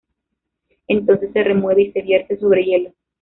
Entonces se remueve y se vierte sobre hielo.